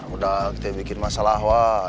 udah kita bikin masalah wah